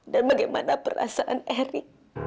dan bagaimana perasaan eri